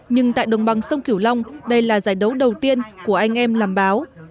nhưng tại đồng bằng sông kiểu long đây là giải đấu đầu tiên của anh em làm báo